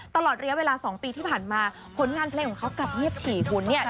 ตลอดระยะเวลา๒ปีที่ผ่านมาผลงานเพลงของเขากลับเงียบฉี่คุณ